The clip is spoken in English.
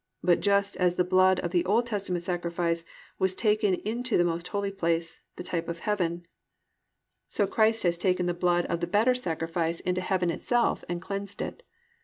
Just as the blood of the Old Testament sacrifice was taken into the most holy place, the type of heaven, so Christ has taken the blood of the better sacrifice into heaven itself and cleansed it.